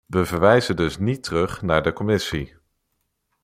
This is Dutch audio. We verwijzen dus niet terug naar de commissie.